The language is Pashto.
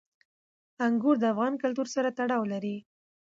انګور د افغان کلتور سره تړاو لري.